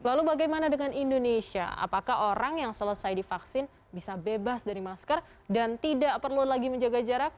lalu bagaimana dengan indonesia apakah orang yang selesai divaksin bisa bebas dari masker dan tidak perlu lagi menjaga jarak